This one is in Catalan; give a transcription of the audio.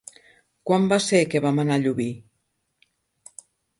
Quan va ser que vam anar a Llubí?